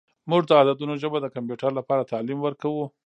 موږ د عددونو ژبه د کمپیوټر لپاره تعلیم ورکوو.